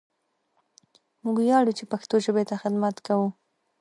موږ وياړو چې پښتو ژبې ته خدمت کوو!